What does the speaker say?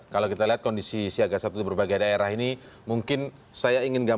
kalau kita lihat kondisi siaga satu di berbagai daerah ini mungkin saya ingin gambarkan